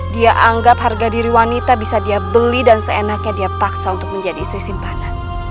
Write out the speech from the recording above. dia anggap harga diri wanita bisa dia beli dan seenaknya dia paksa untuk menjadi istri simpanan